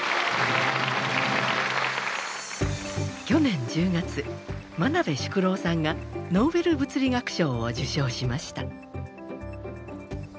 去年１０月眞鍋淑郎さんがノーベル物理学賞を受賞しました。